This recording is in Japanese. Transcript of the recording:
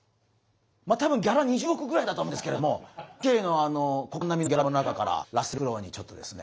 まあたぶんギャラ２０億ぐらいだと思うんですけれどもＮＨＫの国家予算並みのギャラの中からラッセル・クロウにちょっとですね